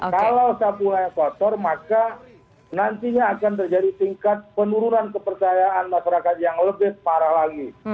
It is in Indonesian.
kalau satunya kotor maka nantinya akan terjadi tingkat penurunan kepercayaan masyarakat yang lebih parah lagi